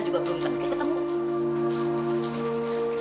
juga belum tentu ketemu